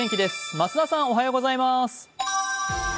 増田さん、おはようございます。